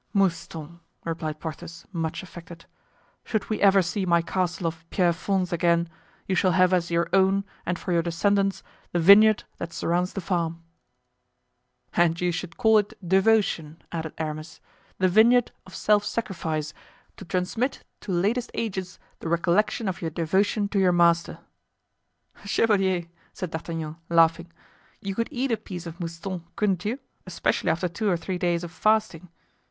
"Mouston," replied Porthos, much affected, "should we ever see my castle of Pierrefonds again you shall have as your own and for your descendants the vineyard that surrounds the farm." "And you should call it 'Devotion,'" added Aramis; "the vineyard of self sacrifice, to transmit to latest ages the recollection of your devotion to your master." "Chevalier," said D'Artagnan, laughing, "you could eat a piece of Mouston, couldn't you, especially after two or three days of fasting?"